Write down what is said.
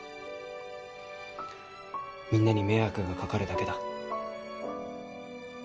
みんなに迷惑がかかるだけだ。